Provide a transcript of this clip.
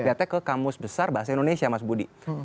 lihatnya ke kamus besar bahasa indonesia mas budi